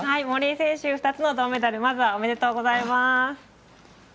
森井選手、２つの銅メダルまずは、おめでとうございます。